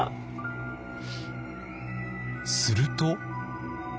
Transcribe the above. すると。